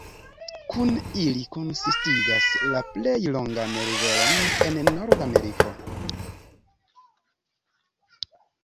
Kune ili konsistigas la plej longan riveron en Norda Ameriko.